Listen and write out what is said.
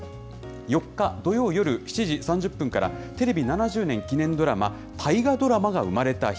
４日土曜夜７時３０分から、テレビ７０年記念ドラマ、大河ドラマが生まれた日。